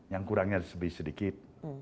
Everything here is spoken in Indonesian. yang kurangnya sedikit